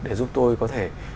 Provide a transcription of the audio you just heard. để giúp tôi có thể